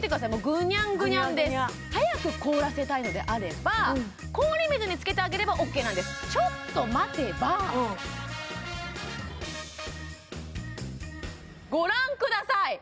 ぐにゃんぐにゃんです早く凍らせたいのであれば氷水につけてあげればオッケーなんですちょっと待てばご覧ください